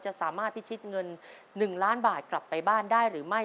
สามารถพิชิตเงิน๑ล้านบาทกลับไปบ้านได้หรือไม่